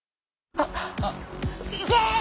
あっいけ！